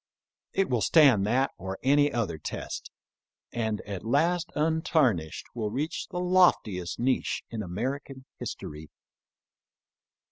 It will stand that or any other test, and at last untarnished will reach the loftiest niche in American history.